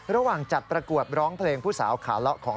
ระหว่างจัดประกวดร้องเพลง